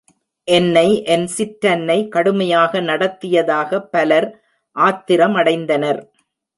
என்னை என் சிற்றன்னை கடுமையாக நடத்தியதாக பலர் ஆத்திரமடைந்தனர்.